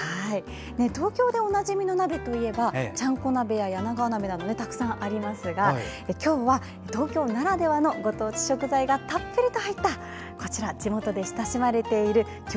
東京でおなじみの鍋といえばちゃんこ鍋や柳川鍋などたくさんありますが今回は東京ならではのご当地食材がたっぷりと入った地元で親しまれている郷